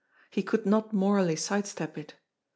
He could not morally side step it.